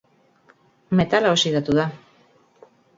Metala oxidatu da.